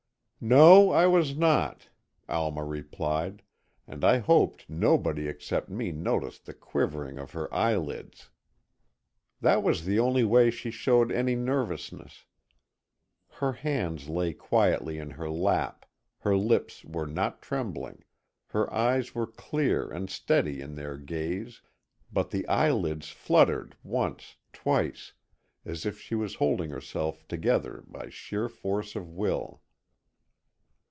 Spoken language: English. "No, I was not," Alma replied, and I hoped nobody except me noticed the quivering of her eyelids. That was the only way she showed any nervousness. Her hands lay quietly in her lap, her lips were not trembling, her eyes were clear and steady in their gaze, but the eyelids fluttered once, twice, as if she was holding herself together by sheer force of will.